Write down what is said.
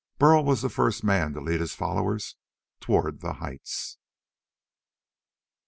Burl was the first man to lead his fellows toward the heights.